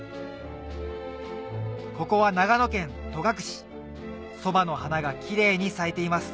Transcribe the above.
ここは長野県戸隠そばの花がキレイに咲いています